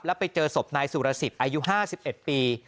แล้วไปเจอศพนายสุรสิทธิ์อายุ๕๑ปี